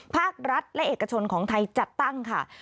ภาครัฐและเอกชนของไทยจัดตั้งค่ะ